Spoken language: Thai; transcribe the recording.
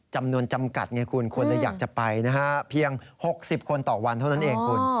จำนวนจำกัดไงคุณคนเลยอยากจะไปนะฮะเพียง๖๐คนต่อวันเท่านั้นเองคุณ